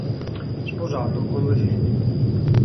Sposato, con due figli.